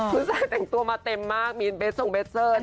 ผู้ใส่แต่งตัวมาเต็มมากมีเบสส่งเบสเซอร์นะคะ